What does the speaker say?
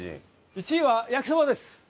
１位はやきそばです。